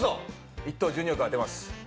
１等１２億当てます！